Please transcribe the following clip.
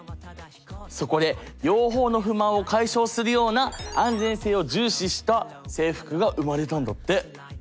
そこで両方の不満を解消するような安全性を重視した制服が生まれたんだって。